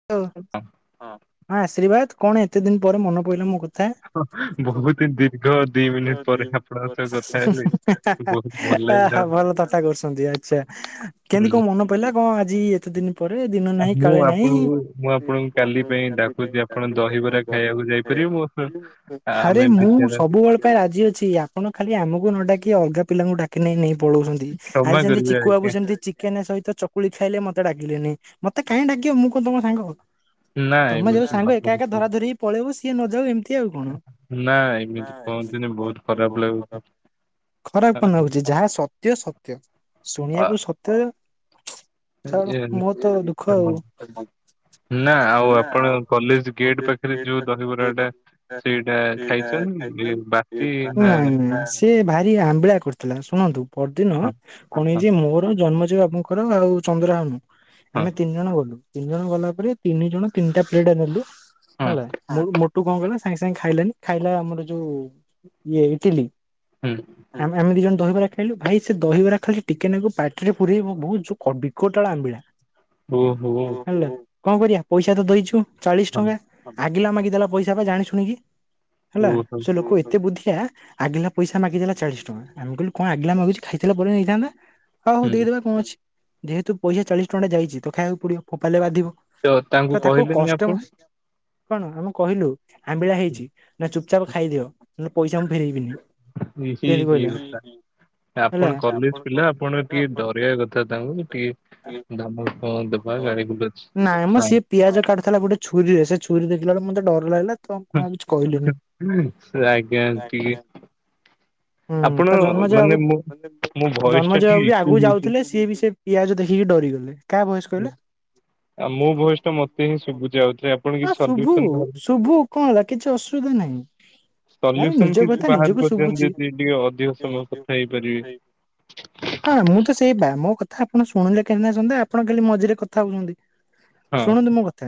ଓ ହେବା। ହଁ ହଁ ଆଶୀର୍ବାଦ କଣ ଏତେ ଦିନ ପରେ ମନ ପଇଲା ମୋ କ ହଁ ବହୁତି ଦୀର୍ଘ ଦି ମିନିଟ ପରେ ଆପଣଙ୍କ ସହ କଥା ହେଲି। ହା ହା ବହୁତ ଭଲ ହା ଆ ଲାଗିଲା ହା ଭଲ ଥଟା କରୁଛନ୍ତି ଆଚ୍ଛା କେମତି ହୁଁ। କଣ ମନ ପହିଲା କଣ ଆଜି ଏତେ ଦିନ ପରେ ଦିନ ଆ ନାହିଁ ମୁଁ କାଳେ ନାହିଁ? ଆପଣଙ୍କୁ ମୁଁ ଆପଣଙ୍କୁ କାଲି ପାଇଁ ଡାକୁଚି ଆପଣ ଦହିବରା ଖାଇବାକୁ ଯାଇପାରିବେ ମୋ ସହ? ଆ- ଆରେ ଆମେ ମୁଁ ବିଦ୍ୟାଳୟ ସବୁବେଳ ପାଇଁ ରାଜି ଅଛି। ଆପଣ ଖାଲି ଆମକୁ ନ ଡାକି ଅଲଗା ପିଲାଙ୍କୁ ଡାକ କି ନେଇ ନେଇ ପଳଉଚନ୍ତି ଆଜି କ୍ଷମା ସେମିତି କରିବେ ଚିକୁ ବାବୁ ଆଜ୍ଞା ସେମତି ଚି କେନେ ସହିତ ଚକୁଳି ଖାଇଲେ ମତେ ଡାକିଲେନି, ମତେ କାହିଁ ଡାକିବ ମୁଁ କଣ ତମ ସାଙ୍ଗ? ନା ତମେ ଯୋଉ ଏମିତି ସାଙ୍ଗ ଏକା ଏକା ଭାବନ୍ତୁନି। ଧରା ଧରି ହେଇକି ପଳେଇବ ସିଏ ନଯାଉ ଏମିତି ତି ଆଉ କଣ। ନା ଏମିତି କୁହନ୍ତୁନି ବହୁତ ଖରାପ ଲାଗୁଛି। ଖରାପ କଣ ଆ- ନାଗୁଚି ଯାହା ସତ୍ୟ ସତ୍ୟ ଆ- ଶୁଣିବାକୁ ସ ତ୍ୟ ଛାଡ଼ ଏ- ମୋର ତ ଦୁଃଖ ଆଉ। ନା ଆଉ ଆପଣ କଲେଜ ଗେଟ୍ ପାଖରେ ଯୋଉ ଦହିବରା ଟା ସେଇଟା ଖାଇଛନ୍ତିକି ଇଏ ବାସି ନା ନା ସିଏ ଭାରି ଆମ୍ବିଳା କରିଥିଲା ଶୁଣନ୍ତୁ ପରଦିନ କଣ ହେଇଚି ମୋର ଜନ୍ମଜୟ ଆପଣ ଙ୍କୁ ଙ୍କର ଆଉ ଚନ୍ଦ୍ରହାନୁ ହଁ ଆମେ ତିନି ଜଣ ଗଲୁ। ତିନି ଜଣ ଗଲା ପରେ ତିନି ଜଣ ତିନିଟା ପ୍ଲେଟ୍ ନେଲୁ ହଁ ହେଲା। ମୁଁ ମୁ ଟୁ କଣ କହିଲା ସାଙ୍ଗେ ସାଙ୍ଗେ ଖାଇଲାନି ଖାଇଲା ଆମର ଯୋଉ ଇଏ ଇଟିଲି। ହୁଁ। ଆମେ ଆମେ ଦି ଜଣ ଦହିବରା ଖାଇଲୁ ଭାଇ ସେ ଦହିବରା ଖାଲି ଟିକେ ନାକୁ ପାଟିରେ ପୁରେଇବୁ ବହୁ ଯୋଉ ଖ ବିକଟଳା ଆମ୍ବିଳା। ହୁଁ ଓହୋ ହେଲା କଣ କରିବା ପଇସା ତ ଦେଇଛୁ ଚାଳିଶ ହଁ। ଟଙ୍କା। ଆଗିଲା ମାଗିଦେଲା ପଇସା ପା ଜାଣି ଶୁଣିକି ହେଲା ଓହୋ ସେ ଲୋକ ଏତେ ବୁଦ୍ଧିଆ। ଆଗିଲା ପଇସା ମାଗିଦେଲା ଚାଳିଶ ଟଙ୍କା ଆମେ କହିଲୁ କଣ ଆଗିଲା ମାଗୁଚି ଖାଇଥିଲା ପରେ ନେଇଥାନ୍ତା। ହଉ ହଉ ହୁଁ ଦେଇଦେବା କଣ ଅଛି ଯେହେତୁ ପଇସା ଚାଳିଶ ଟଙ୍କା ଟା ଯାଇଚି ତ ଖାଇବାକୁ ପଡିବ ଫୋପାେଡିଲେ ବାଧିବ। ତ ତାଙ୍କୁ ତ ତାକୁ କହିଲେନି କଷ୍ଟେ ଆପଣ? ମଷ୍ଟେ। କଣ ଆମେ କହିଲୁ ଆମ୍ବିଳା ହେଇଚି ନା ଚୁପଚାପ୍ ଖାଇଦିଅ ନହେଲେ ପଇସା ମୁଁ ଫେରେଇବିନି। ଇଏ କି ଏମିତି କି କହିଲା କଥା। ହେଲା ଆପଣ କଲେଜ୍ ପିଲା ଆପଣ ଟିକେ ଡରେଇବା କଥା ତାଙ୍କୁ ଟିକେ। ଧମକ। ଗାଳି ଗୁଲଜ ନାଇଁ ମ ହଁ ସିଏ ପିଆଜ କାଟୁଥିଲା ଗୋଟେ ଛୁରୀରେ ସେ ଛୁରୀ ଦେଖିଲା ବେଳକୁ ମତେ ଡର ଲାଗିଲା। ତ ମୁଁ ଆଉ କିଛି କହିଲିନି। ସେ ଆଜ୍ଞା ଟିକେ ହୁଁ ଆପଣ ତ ଜନ୍ମଯୟ ମାନେ ବାବୁ ମୁଁ ମୋ ଭଏସ ଟା ଜନ୍ମଯୟ ଟିକେ ବାବୁ ବି ଇକୋ ଆଗକୁ ହଉଛି। ଯାଉଥିଲେ ସିଏ ବି ସେ। ପିଆଜ ଦେଖିକି ଡରିଗଲେ କାହା ବୟସ କହିଲେ। ଆଉ ମୋ ଭଏସ ଟା ମତେ ହିଁ ଶୁଭୁଛି ଆଉଥରେ ଆପଣ କିଛି ହ ଶୁଭୁ ସଲ୍ୟୁସନ ବାହାର ଶୁଭୁ। କଣ ହେଲା କିଛି ଅସୁବିଧା ନାହିଁ। ଆ ସଲ୍ୟୁସନ ନିଜ କିଛି କଥା ବାହାର ନିଜକୁ କରିଦିଅନ୍ତୁ ଶୁଭୁଛି। ଯଦି ଟିକେ ଅଧିକ ସମୟ କଥା ହେଇପାରିବେ। ହଁ ମୁଁ ତ ସେଇବା ମୋ କଥା ଆପଣ ଶୁଣିଲେ କେନେ ଶୁଣିଲେ ଆପଣ ଖାଲି ମଝିରେ କଥା ହୁଅନ୍ତି। ହଁ ଶୁଣନ୍ତୁ ମୋ କଥା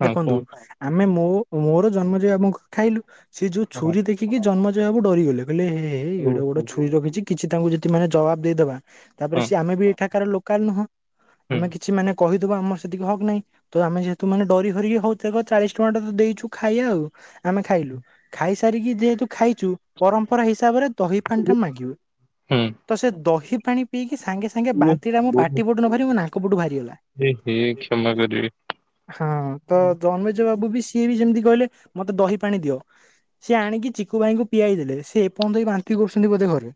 ହଁ ଦେଖନ୍ତୁ। କୁହନ୍ତୁ ଆମେ ମୋ ମୋର ଜନ୍ମଯୟ ବାବୁଙ୍କ ଖାଇଲୁ ସେ ଯୋଉ ହଁ ଛୁରୀ ଦେଖି। ଖିକି ଜନ୍ମେଜୟ ବାବୁ ଡରିଗଲେ କହିଲେ ଏହେ ହେଇ ହଉ ଏଡେ ବଡ ହଉ ଛୁରୀ ରଖିଛି କିଛି ତାଙ୍କୁ ଯଦି ମାନେ ଜବାବ୍ ଦେଇଦବା। ତାପରେ ହଁ ସିଏ ଆମେ ବି ଏଠାକାର ଲୋକାଲ ନୁହଁ ହୁଁ ଆମେ କିଛି ମାନେ କହିଦବୁ ଆମର ସେତିକି ହକ୍ ନାହିଁ। ତ ଆମେ ଯେହେତୁ ମାନେ ଡରି ହରିକି ହଉଥକ ଚାଳିଶ ଟଙ୍କା ଟା ତ ଦେଇଛୁ ଖାଇବା ଆଉ। ଆମେ ଖାଇଲୁ ଖାଇସାରିକି ଯେହେତୁ ଖାଇଛୁ ପରମ୍ପରା ହିସାବରେ। ଦହି ପାଣି ଟା ମାଗିବୁ ତ ସେ ଦହି ପାଣି ପିଇକି ସାଙ୍ଗେ ସାଙ୍ଗେ ହୁଁ ବାନ୍ତି ଟା ମୋ ଓ ଓ ପାଟି। ପାଟି ପଟୁ ନବାହାରି ମୋ ନାକ ପଟୁ ଭାରିଗଲା। ହେ କ୍ଷମା କରିବେ ହଁ ତ ଜନ୍ମେଜୟ ବାବୁ ବି। ସିଏ ବି ଯେମିତି କହିଲେ ମତେ ଦହି ପାଣି ଦିଅ। ସେି ଆଣିକି ଚିକୁ ଭାଇଙ୍କୁ ପିଆଇ ଦେଲେ ସେ ଏପର୍ଯ୍ୟନ୍ତ ବାନ୍ତିି କରୁଛନ୍ତି ବୋଧେ ଘରେ।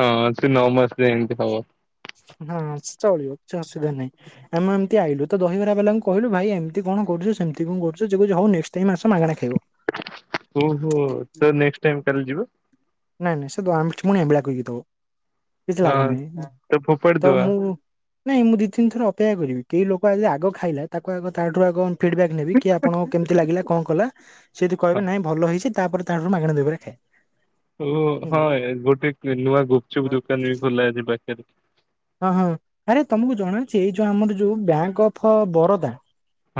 ହଁ ସେ ନଅ ମାସ ଯାଏଁ ଏମତି ହବ। ହଁ ସେ ଚଳିବ କିଛି ଅସୁବିଧା ନାହିଁ। ଆମେ ଏମତି ଆଲୁ ତ ଦହିବରା ବାଲାଙ୍କୁ କହିଲୁ ଭାଇ ଏମିତି କଣ କରୁଛ ସେମିତି କଣ କରୁଛ ସେ କହୁଛି ନେଷ୍ଟ ଟାଇମ୍ ଆସ ମାଗଣା ଖାଇବ। ଓହୋ ତ ନେଷ୍ଟ ଟାଇମ୍ କାଲି ଯିବ। ନାଇଁ ନାଇଁ ସେ ଦଉ ପୁଣି ଆମ୍ଭିଳା କରିକିଦବ। କିଛି ଲାଭ ହଁ ନାହିଁ ତ ଫୋପାଡି ତ ଦବା। ମୁଁ। ନାଇଁ ମୁଁ ଦୁଇ ତିନିଥର ଅପେକ୍ଷା କରିବି କେହି ଲୋକ ଆଜି ଆଗ ଖାଇଲା ତାକୁ ଆଗ ତାଠାରୁ ଆଗ ଫିଡ଼ବ୍ୟାକ୍ ନେବି କି ଆପଣ। କେମିତି ଲାଗିଲା କଣ କଲା ସେ ଯଦି ହଁ କହିବ ନାଇଁ ଭଲହେଇଛି ତାପରେ ତାଠାରୁ ମାଗଣ ଦହିବରା ଖାଇବା। ଓ ହଁ ଗୋଟେ ନୂଆ ଗୁପଚୁପ ଦୋକାନ ବି ଖୋଲା ଅଛି ପାଖରେ। ହଁ ହଁ ଆରେ ତମକୁ ଜଣାଅଛି ଏଇ ଯୋଉ ଆମର ଯୋଉ ବ୍ୟାଙ୍କ ଅଫ୍ ବରୋଦା।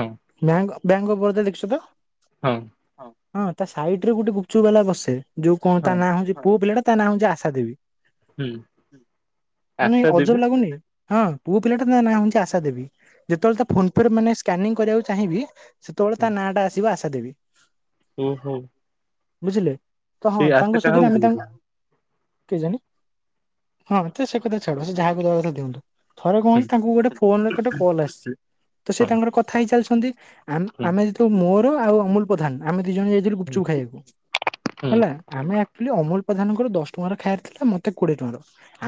ହଁ। ବ୍ୟା ବ୍ୟାଙ୍କ ଅଫ୍ ବରୋଦା ଦେଖିଛ ତ। ହଁ। ହ ହଁ ତା ସାଇଟ୍ ରେ ଗୋଟେ ଗୁପଚୁପ ବାଲା ବସେ ଯୋଉ କଣ ହଁ ତା ନାଁ ହଉଛି ପୁଅ ପିଲାଟା। ତା ନା ହଉଛି ଆଶା ଦେବି ହୁଁ ମାନେ ଆଶା ଅଜବ ଦେବି ଲାଗୁନି। ହଁ ପୁଅ ପିଲାଟା ନାଁ ହଉଛି ଆଶା ଦେବି ଯେତେବେଳେ ତା ଫୋନ୍ ପେରେ ମାନେ ସ୍କାନିଂ କରିବାକୁ ଚାହିଁବି। ସେତେବେଳେ ତା ହୁଁ, ନାଁଟା ଆସିବ ଆଶା ଦେବି। ଓହୋ। ବୁଝିଲେ ତ ହଁ ସେଇ ଆଶା ତାଙ୍କ କାହାକୁ ସେଇଯୁଗରୁ ଆମେ ତାଙ୍କୁ। ଦଉଛନ୍ତି? କେଜାଣି ହଁ ତ ସେ କଥା ଛାଡ ସେ ଯାହାକୁ ଦବା କଥା ଦିଅନ୍ତୁ। ଥରେ ହୁଁ କଣହେଇଛି ତାଙ୍କୁ ଗୋଟେ ଫୋନ୍ ରେ ଗୋଟେ କଲ୍ ଆସିଛି ତ ସେ ହଁ ତାଙ୍କର କଥା ହେଇ ଚାଲିଛନ୍ତି ଆମ। ହୁଁ ଆମେ ସେତେବେଳକୁ ମୋର ଆଉ ଅମୁଲ ପ୍ରଧାନ ଆମେ ଦି ଜଣ ଯାଇଥିଲୁ ହୁଁ ଗୁପଚୁପ ଖାଇବାକୁ ହୁଁ ହେଲା। ଆମେ ଆକ୍ଚୁଲି ଅମୁଲ ପ୍ରଧାନଙ୍କର ଦଶ ଟଙ୍କାର ଖାଇବାର ଥିଲା ମତେ କୋଡିଏ ଟଙ୍କାର।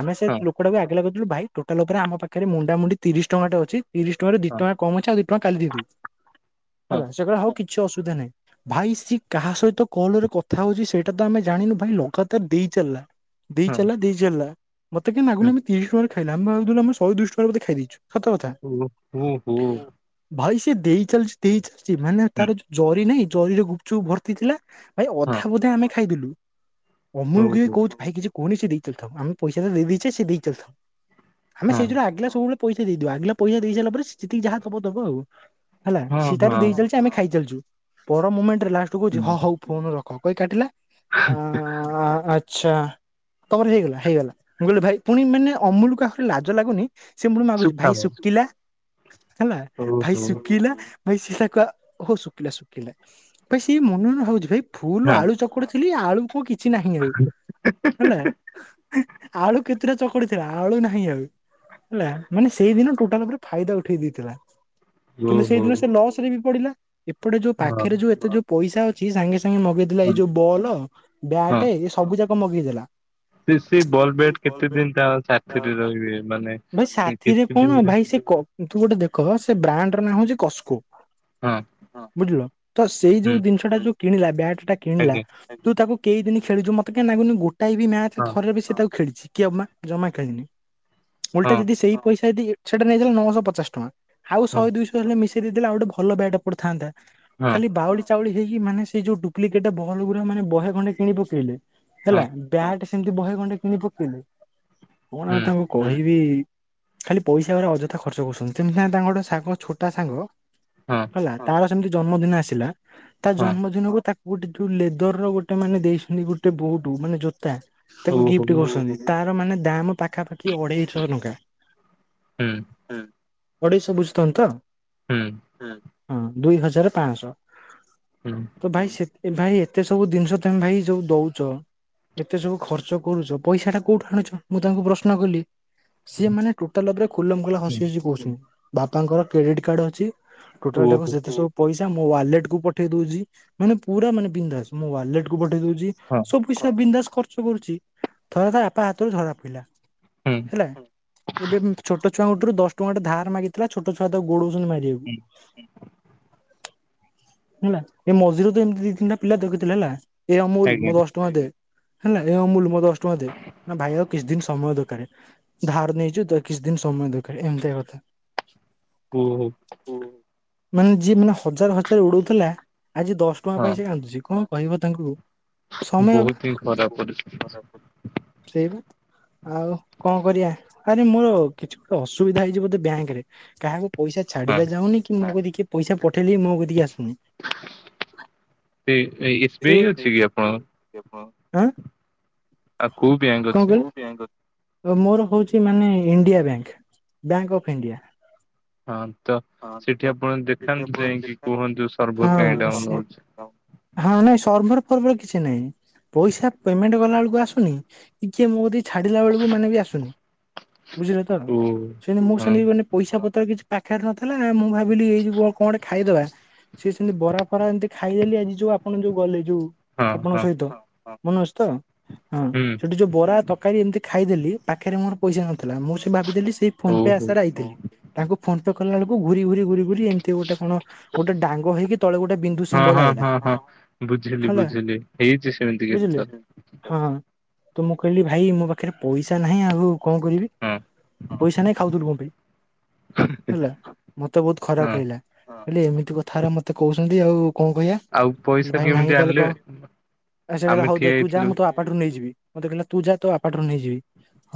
ଆମେ ସେ ହଁ ଲୋକଟାକୁ ଆଗିଲାକହିଥିଲୁ ଭାଇ ଟୋଟାଲ ଉପରେ ଆମ ପାଖରେ ମୁଣ୍ଡାମୁଣ୍ଡି ତିରିଶ ଟଙ୍କା ଟେ ଅଛି। ତିରିଶ ଟଙ୍କାରୁ ଦି ହଁ ଟଙ୍କା କମ୍ ଅଛି ଆଉ ଦି ଟଙ୍କା କାଲି ଦେଇଦବୁ ହଁ ହେଲା ସେ ହଉ କିଛି। କି ଅସୁବିଧା ନାହିଁ ଭାଇ ସିଏ କାହା ସହିତ କଲରେ କଥା ହଉଛି ସୋ। ଏଟା ତ ଆମେ ଜାଣିନୁ ଭାଇ ଲଗାତାର ଦେଇ ଚାଲିଲା। ଦେଇ ହଁ ଚାଲଲା। ଦେଇ ଚାଲିଲା। ମତେ କି ନାାଗୁ ହୁଁ ଆମ ତିଶ ଟଙ୍କାରେ ଖାଇଲା ଆେ ଭାବଥିଲ ସହେ ଦୁଇ ଶହ ଟଙ୍କା ର ବୋଧେ ଖାଇ ଦେଇଛୁ। ସତ କଥା। ଓ ଓ ହୋ ଭାଇ ସେ ଦେଇ ଚାଲିଛି, ଦେଇ ଚାଲିଛି, ମାନେ ହୁଁ ହଁ ତାର ଯୋ ଜରି ନାଇଁ, ଜରିରେ ଗୁପଚୁପ୍ ଭର୍ତ୍ତି ଥିଲା। ଭାଇ ଅଧା, ହଉ ବଧା ଆମେ ଖାଇଦେଲୁ। ହଉ ଅମୁଳକୁ ହଁ କହୁଛୁ ଭାଇ କିଛି କୁହଣି ସେ ଦେଇ ଚାଲିଥାଉ। ଆମେ ପଇସା ତ ଦେଇଦେଇଛେ। ସେ ଦେଇ ଚାଲିଥାଉ। ଆମେ, ସେଇ ଯୋଉ ଆଗିଲା ସବୁବେଳେ ପଇସା ଦେଇଦବ। ଆଗିଲା ପଇସା ଦେଇସାରିଲ ପରେ, ସେତିକି ଯାହା ଥିବ ଦେବ ଆଉ ହେଲା। ସେ ହଁ ତାର ହଁ ଦେଇ ଚାଲିଚି। ଆମେ ଖାଇ ଚାଲିଚୁ। ପର ମୁମେଣ୍ଟ୍ ରେ, ଲାଷ୍ଟ କହୁଛି ହୁଁ ହଁ ହଉ, ଫୋନ ରଖ, କହି କାଟିଲା। [inaudible] ଆଚ୍ଛା। ତମର ହେଇଗଲା, ହେଇଗଲା। ମୁଁ କହିଲି ଭାଇ, ପୁଣି ମାନେ ଅମୁଳ କୁ ଆହୁରି ଲାଜ ଲାଗୁନି। ସେ ପୁଣି ମାଗୁଛି ଭାଇ ସୁଖାମ ଶୁଖିଲା ହେଲା। ଭାଇ ଓହୋ ଶୁଖିଲା? ଭାଇ ସି ତାକୁ ହଉ ଶୁଖିଲା, ଶୁଖିଲା, ଭାଇ ସିଏ ମନେ, ମନେ, ହଉଛି ଭାଇ ଫୁଲ ହଁ ଆଳୁ ଚକ ଥିଲି, ଆଳୁ ପୁଅ କିଛି ନାହିଁ ଆଉ ହେଲା। ଆଳୁ କେତେଟା ଚକଟି ଥିଲା। ଆଳୁ ନାହିଁ ଆଉ ହେଲା। ମାନେ ସେଇ ଦିନ ଟୋଟାଲ ଫାଇଦା ଉଠେଇ ଦେଇଥିଲା। କିନ୍ତୁ, ସେଇ ଓହୋ ଦିନ ସେ ଲସ ରେ ବି ପଡିଲା। ଏପଟେ ଯୋଉ, ହଁ ପାଖରେ ଯୋଉ, ଏତେ ଯୋଉ, ପଇସା ଅଛି। ସାଙ୍ଗେ, ସାଙ୍ଗେ ମଗେଇଦେବ ହଁ। ଯୋଉ ବଲ, ହଁ ବ୍ୟାଟେ। ଏ ସବୁ ଯାକ ମଗେଇ ଦେଲା। ସେ ସେ ବଲ୍ କେତେ ବ୍ୟାଟ୍ ଭଲପାଇବା ଦିନ ତା ସାଥିରେ କେତେ, ରହିବେ ମାନେ ଭାଇ ସା ଥିରେ କେତେ ଦିନ କଣ, ପାଇଁ? ଭାଇ ସେ ତୁ ଗୋଟେ ଦେଖ, ସେ ବ୍ରାଣ୍ଡ ର ନାଁ ହଉଛି କସ୍କୋ। ହଁ ବୁଝିଲ। ତ ସେଇ ହୁଁ ଯୋଉ ଜିନିଷ ଟା ଯୋଉ କିଣିଲା, ବ୍ୟାଗ ଟା କିଣିଲା। ଆଜ୍ଞା ତୁ ତାକୁ କେଇ ଦିନ ଖେଳୁଥିବୁ। ମତେଁ ଲାଗୁନି ଗୋଟଏ ବି ମ୍ୟାଚ, ହଁ ଥରେ ବି ସେ ତାକୁ ଖେଳିଛି। କିଏ ହ ଜମା ଖେଳିନି, ଓଲଟା ହଁ ଯଦି ସେଇ ପଇସା ଯଦି, ସେଇଟା ନେଇଥିଲା। ନଅଶହ ପଚାଶ ଟଙ୍କା। ଆଉ ହଁ ଶହେ, ଦୁଇଶହ, ହେଲେ ମିଶେଇ ଦେଇଥିଲା, ଆଉ ଗୋଟେ ଭଲ ବ୍ୟାଟ ପଡିଥାନ୍ତା। ହଁ ଖାଲି ବାଉଳି ଚାଉଳି ହେଇକି, ମାନେ ସେଇ ଯୋଉ ଡୁପ୍ଲିକେଟ ବହଲ ଗୁଡା, ମାନେ ବହେ ଖଣ୍ଡେ କିଣି ପକେଇଲେ ହଁ ହେଲା। ବ୍ୟାଟ, ସେମିତି ବହେ ଖଣ୍ଟେ କିଣି ପକେଇଲେ। କଣ ଆଉ ହୁଁ ତାକୁ କହିବି, ଖାଲି ପଇସା ଗରେ ଅଯଥା ଖର୍ଚ୍ଚ କରୁଛନ୍ତି। ସେମିତି, ନାଇ ତାଙ୍କ ଗୋଟେ ସାଙ୍ଗ, ଛୋଟା ସାଙ୍ଗ। ହଁ ହେଲା, ତାର ସେମିତି ଜନ୍ମଦିନ ଆସିଲା। ତା ହଁ ଜନ୍ମଦିନକୁ ତାକୁ ଗୋଟେ ଯୋଉ, ଲେଦର ର ଗୋଟେ ମାନେ ଦେଇଛନ୍ତି। ଗୋଟେ ବୋଟ, ମାନେ ଜୋତା। ତାକୁ ଓହୋ ଗିଫ୍ଟ ହୁଁ କରିସନ୍ତି। ତାର, ମାନେ ଦାମ ପାଖା ପାଖି ଅଢେଇ ଶହ ଟଙ୍କା। ହୁଁ। ହଁ। ଅଢେଇଶ ବୁଝଥାନ୍ ତ? ହୁଁ। ହଁ। ଦୁଇ ହଜାର ପାଁ ଶହ। ହୁଁ। ତ ଭାଇ, ଭାଇ, ଏତେ ସବୁ ଜିନିଷ ତମେ ଭାଇ, ସବୁ ଦଉଚ ଏତେ ସବୁ ଖର୍ଚ୍ଚ କରୁଚ। ପଇସା ଟା କୋଉଠୁ ଆଣୁଚ। ମୁଁ ତାଙ୍କୁ ପ୍ରଶ୍ନ କଲି। ସିଏ ମାନେ, ଟୋଟାଲରେ ଖୁଲମ ଖୁଲା ହୁଁ ହସି ହସି କହୁଛନ୍ତି ବାପା ଙ୍କର, କ୍ରେଡିଟ୍ କାର୍ଡ ଅଛି। ଟୋଟାଲ ଟାକ ଓହୋ ଯେତେ ସବୁ ପଇସା, ମୋ ୱାଲେଟ କୁ ପଠେଇ ଦଉଚି। ମାନେ ପୁରା, ମାନେ ପିନ୍ଧାସ୍। ମୋ ୱାଲେଟ କୁ ପଠେଇ ଦଉଚି। ହଁ। ସବୁ ପଇସା ବିନ୍ଧାସ ଖର୍ଚ୍ଚ କରୁଚି। ଥରେ, ତା ବାପା ହାତରେ ଧରା ପଡ଼ିଲା। ହୁଁ ଏବେ, ଛୋଟ ଛୁଆଙ୍କ ଠାରୁ, ଦଶ ଟଙ୍କା ଗୋଟେ ଧାର ମାଗି ଥିଲା। ଛୋଟ ଛୁଆ ତାକୁ ଗୋଡଉଛନ୍ତି ହୁଁ ମାରିବାକୁ। ହେଲା। ଏ ମଝିରେ ତ ଏମିତି ଦି, ତିନିଟା ପିଲା ଦେଖେଇଥିଲା ହେଲା। ଏ ଅମୁଲ, ଆଜ୍ଞା ମୋ ଦଶ ଟଙ୍କା ଦେ। ହେଲା। ଏ ଅମୁଲ ମ ଦଶ ଟଙ୍କା ଦେ। ନା ଭାଇ, ଆଉ କିଛି ଦିନ ସମୟ ଦରକାର। ଧାର ନେଇଛୁ। ତ, କିଛି ଦିନ ସମୟ ଦରକାର, ଏମିତି କାମ କଥା। ହୁଁ, ହୁଁ। ମାନେ, ଯିଏ ମାନେ, ହଜାର ହଜାର ଉଡଉଥିଲା। ଆଜି ଦଶ ଟଙ୍କା ହଁ ପାଇଁ ସେ କାନ୍ଦୁଛି। କଣ କହିବ ତାଙ୍କୁ, ସମୟ ବା, ବହୁତ ହିଁ ଖରାପ ପରିସ୍ଥିତି ସେୟା ବା ଆଉ, କଣ କରିବା। ଆରେ, ମୋର କିଛି ଗୋଟେ ଅସୁବିଧା ହେଇଚି ବୋଧେ ବ୍ୟାଙ୍କ ରେ। କାହାକୁ ପଇସା ହଁ ଛାଡିଲେ ଯାଉନି, କି ମୋ କତି କି କିଏ ପଇସା ପଠେଇଲେ ବି ମୋ କତିକି ଆସୁନି। ଏ ଏଇ ଆଁ। ଆ କୋଉ ବ୍ୟାଙ୍କ୍? କଣ କହିଲ ମୋର ହଉଛି ମାନେ India bank bank of India. ହଁ ତ ସେଠି ଆପଣ ଦେଖାନ୍ତୁ ଯାଇକି କୁହନ୍ତୁ ହଁ ସରବର୍ କାଇଁ ଡାଉନ୍ ସେ ହ। ହଁ ନାଇଁ ସର୍ଭର ଫର୍ବର କିଛି ନାହିଁ। ପଇସା ପେମେଣ୍ଟ କଲାବେଳକୁ ଆସୁନି କିଏ ମୋ କଦି ଛାଡିଲା ବେଳକୁ ମାନେ ବି ଆସୁନି ବୁଝିଲ ତ ଓ ସେମିତି ମୁଁ ହଁ ସେମିତି ମାନେ ପଇସା ପତ୍ର କିଛି ପାଖରେ ନଥିଲା ମୁଁ ଭାବିଲି ଏଇ କ ଖାଇଦବା ସି ସେମିତି ବରା ଫରା ଏମିତି ଖାଇଦେଲି ଆଜି ଯୋଉ ଆପଣ ଯୋଉ ଗଲେ ଯୋଉ ହଁ ଆପଣଙ୍କ ହଁ ସହିତ ମନେ ଅଛି ତ ହଁ ହୁଁ ସେଠି ଯୋଉ ବରା ତରକାରୀ ଏମିତି ଖାଇଦେଲି, ପାଖରେ ମୋର ପଇସା ନଥିଲା, ମୁଁ ସେ ଭାବିଦେଲି ସେଇ ଫୋନ ପେ ଓହୋ ଆଶାରେ ଆଇଥିଲି ତାଙ୍କୁ ଫୋନ୍ ପେ କଲା ବେଳକୁ ଘୁରି ଘୁରି ଘୁରି ର ଏମତି ଗୋଟେ କଣ ଗୋଟେ ଡାଙ୍ଗ ହେଇକି ତଳେ ଗୋଟେ ବିନ୍ଦୁ ହଁ ସିମ୍ବଲ ହଁ ଆଇଲା। ହଁ ହଁ ବୁଝିଲି ହେଲା ବୁଝିଲି ହେଇଛି ସେମିତି କେତେଥର। ହଁଁ ତ ମୁଁ କହିଲି ଭାଇ ମୋ ପାଖରେ ପଇସା ନାହିଁ ଆଗ କଣ କରିବି, ହଁ ପଇସା ନାଇଁ ଖାଉଥିଲୁ କଣ ପାଇଁ ହେଲା, ମତେ ବହୁତ ହଁ ଖରାପ ଲାଗିଲା ହେଲେ ଏମିତି କଥା ରା ମତେ କହୁଛନ୍ତି ଆଉ କଣ କହିବା ଆଉ କ ପଇସା ଭାଇ କେମିତି ନାହିଁ ତାହେଲେ ଆଣିଲେ କହ ଆମେ ହଉ ଠିଆ ତୁ ଯା ହେଇଥିଲୁ ତୋ ଆ ବାପା ଠାରୁ ନେଇଯିବି, ମତେ କହିଲା ତୁ ଯା ତୋ ବାପା ଠାରୁ ନେଇଯିବି,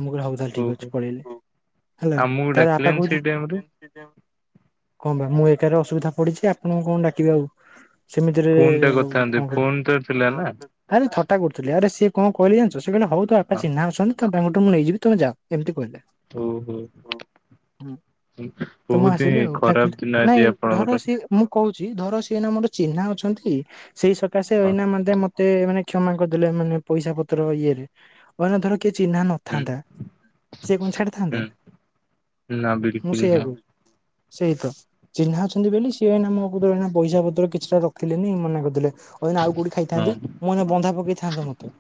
ମୁଁ କହିଲି ହୋଉ। ତାଲେ ଠିକ ଓହୋ ଅଛି, ପଳେଇଲି ହେଲା ଆମକୁ ତାପରେ ଆପା ଡାକିଲେନି ସେଇ କହୁଛି ଟାଇମ ରେ କଣ ପେଟ ମୁଁ ଏକାରେ ଅସୁବିଧା ପଡିଛି ଆପଣଙ୍କୁ କଣ ଡାକିବି ଆଉ। ସେମିତିରେ ଫୋନ ଟା ଆଉ କରିଥାନ୍ତେ କଣ ଫୋନ ତ ଥିଲା କରିବ ନା ଆରେ ଥଟା କରୁଥିଲି, ଆରେ ସେ କଣ କହିଲେ ଜାଣିଚ, ସେ କହିଲେ ହଉ ତୋ ବାପା ହଁ ଚିହ୍ନା ଅଛନ୍ତି। ତାଙ୍କ ଟୁ ମୁଁ ନେଇଯିବି ତମେ ଯାଅ ଏମିତି କହିଲେ। ଓହୋ ହୁଁ ତ ମୁଁ ବହୁତ ଆସିଲି ହିଁ ଆଉ ତାଙ୍କ ଖରାପ ଦିନ ନାଇଁ ଆଜି ଧର ଆପଣଙ୍କର। ସିଏ ମୁଁ କହୁଛି ଧର ସିଏନା ମୋର ଚିହ୍ନା ଅଛନ୍ତି ସେଇ ସକାଶେ ହଁ ଏଇନା ମ ମତେ ମାନେ କ୍ଷମା କରିଦେଲେ ମାନେ ପଇସା ପତ୍ର ଇଏରେ ମାନେ ଧର କିଏ ଚିହ୍ନା ନ ହୁଁ ଥାଆନ୍ତା, ସେ କଣ ଛାଡ଼ି ଥାନ୍ତା। ହୁଁ ନା ବି ମୁଁ ସେଇଆକୁ ସେଇତ। ଚିହ୍ନା ଅଛନ୍ତି ବୋଲି ସିଏ ଏଇନା ମୋ କତୁରୁ ପଇସା ପତ୍ର କିଛିଟା ରଖିଲେନି ମନା କରିଦେଲେ। କହିନି ଆଉ କଉଠି ହଁ ଖାଇଥାନ୍ତି ମୁଁ ଏଇନା ବନ୍ଧା ପକେଇଥାନ୍ତ ମତେ।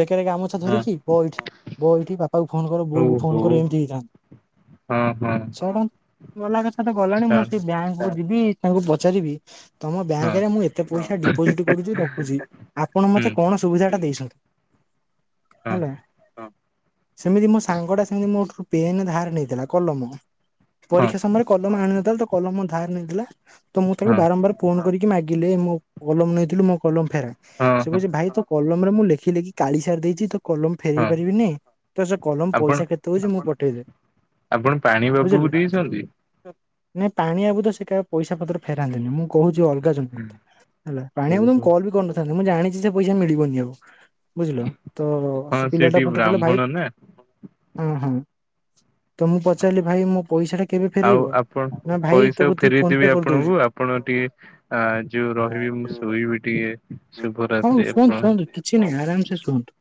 ବେକେରେ ଗାମୁଛା ହଁ ଧରିକି ହଉ ବ ଏଇଠି ବ ଏଇଠି ବାପାକୁ ଫୋନ କର ବୋଉ କୁ ଫୋନ ହଉ କର ଏମିତି ହେଇଥାନ୍ତେ। ହଁ ହଁ। ଛଡ ନ୍ ଟଙ୍କା ଗଲା କଥା ତ ଗଲାଣି ମୁଁ ଛାଡ଼ ସେ ବ୍ୟାଙ୍କ ଯିବି ତାଙ୍କୁ ପଚାରିବି ତମ ହଁ ବ୍ୟାଙ୍କ ରେ ମୁଁ ଏତେ ପଇସା ଡିପୋଜିଟ କରୁଛି ରଖୁଛି ଆପଣ ହୁଁ ମତେ କଣ ସୁବିଧା ଟା ଦେଇଛନ୍ତି। ହଁ ହେଲା। ସେମିତି ମୋ ସାଙ୍ଗ ଟା ସେମିତି ମୋଠୁ ପେନ୍ ଧାର ନେଇଥିଲା କଲମ। ହଁ ହଁ ପରୀକ୍ଷା ସମୟରେ କଲମ ଆଣିନଥିଲା ତ କଲମ ଧାର ନେଇଥିଲା ତ ମୁଁ ତାକୁ ହଁ ବାରମ୍ବାର ଫୋନ କରିକି ମାଗିଲେ ମୋ କଲମ ନେଇଥିଲି ମୋ କଲମ ଫେରା ସେ ହଁ କ ଭାଇ ତୋ କଲମ ରେ ମୁଁ ଲେଖି ଲେଖି କାଳି ସାରି ଦେଇଛି ତ କଲମ ଫେରଇ ହଁ ପାରିବିନିଁ ତ ସେ କଲମ ଆପଣ ପଇସା କେତେ ହଉଛି ମୁଁ ପଠେଇଦେ ଆପଣ ପାଣି ବାବୁକୁ ବୁଝିଲ ଦେଇଛନ୍ତି? ନାଇଁ ପାଣିଆବୁ ତ ସେ କା ପଇସା ପତ୍ର ଫେରାନ୍ତିନି ମୁଁ କହୁଛି ଅଲଗା ଜଣକ କଥା ହେଲା ପାଣି ଆବୁ କୁ ଓହୋ ମୁଁ କଲ ବି କରିନଥି ମୁଁ ଜାଣିଛି ସେ ପଇସା ମିଳିବନି ଆଉ ବୁଝିଲ ତ ହଁ ସେ ପିଲା ଟା ଟିକେ ମତେ କହିଲା ଭାଇ ବ୍ରାହ୍ମଣ ନା ହଁ ହଁ ତ ମୁଁ ପଚାରିଲି ଭାଇ ମୋ ପଇସା ଟା କେବେ ଆଉ ଫେରେଇବ? ନା ଆପଣ ଭାଇ ତୋ ପଇସା କତିକି ଫୋନ ପେ ଫେରେଇଦେବି କରିଦଉଛି। ଆପଣଙ୍କୁ ଆପଣ ଟିକେ ଆ ଯୋଉ ରହିବି ମୁଁ ଶୋଇବି ଟିକେ ହଉ ଶୁଭରାତ୍ରି ଶୁଅନ୍ତୁ ଆପଣ। ଶୁଅନ୍ତୁ କିଛି ନାଇଁ ଆରାମ ସେ ଶୁଅନ୍ତୁ।